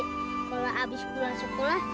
kalau abis pulang sekolah